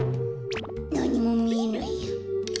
なにもみえないや。